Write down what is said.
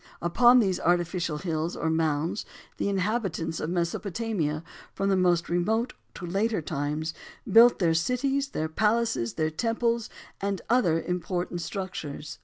Upon these artificial hills or mounds, the inhabitants of Mesopotamia, from the most remote to later times, built their cities, their palaces, their temples and other important structures.